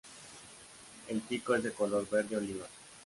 El pico es de color verde oliva.